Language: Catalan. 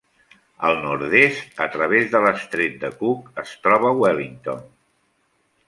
Al nord-est a través de l'estret de Cook es troba Wellington.